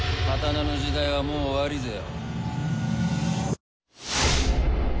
刀の時代はもう終わりぜよ。